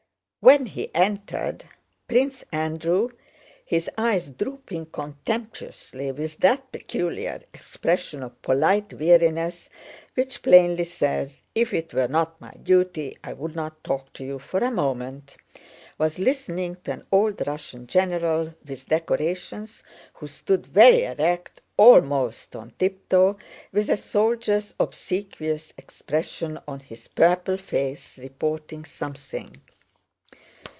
When he entered, Prince Andrew, his eyes drooping contemptuously (with that peculiar expression of polite weariness which plainly says, "If it were not my duty I would not talk to you for a moment"), was listening to an old Russian general with decorations, who stood very erect, almost on tiptoe, with a soldier's obsequious expression on his purple face, reporting something.